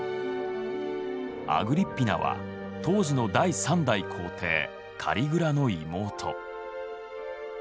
アグリッピナは当時の第３代皇帝カリグラの妹。